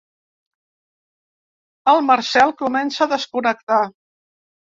El Marcel comença a desconnectar.